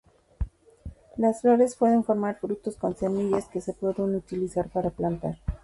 Las flores pueden formar frutos con semillas que se pueden utilizar para plantar.